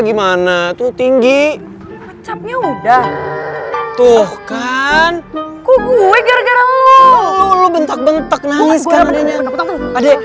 gimana tuh tinggi ucapnya udah tuh kan gue gara gara lu bentuk bentuk nangis karena adek